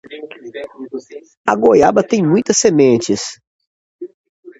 A goiaba tem muitas sementes.